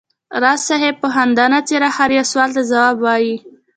راز صاحب په خندانه څېره هر یو سوال ته ځواب وایه.